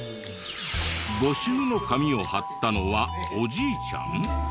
募集の紙を貼ったのはおじいちゃん？